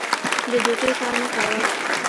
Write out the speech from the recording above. د دوکې کار مه کوه.